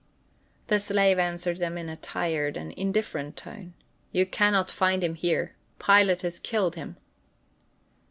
The slave answered them in a tired and indifferent tone: "You can not find him here. Pilate has killed him."